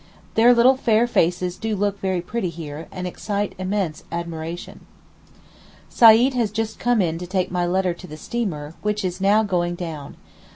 Their little fair faces do look very pretty here, and excite immense admiration. Seyd has just come in to take my letter to the steamer which is now going down.